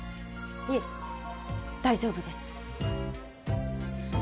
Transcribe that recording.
いえ大丈夫です。